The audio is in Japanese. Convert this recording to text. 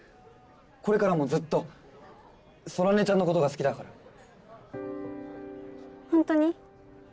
これからもずっと空音ちゃんのことが好きだからほんとに？